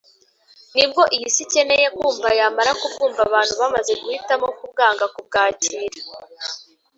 Nibwo iy‟isi ikeneye kumva yamara kubwumva abantu bamaze guhitamo kubwanga kubwakira